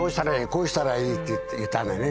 こうしたらいいって言ったんだよね